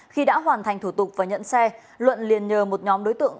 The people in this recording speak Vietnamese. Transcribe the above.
khi đã hoàn thành thủ tục và nhận xe luận liền nhờ một nhóm đối tượng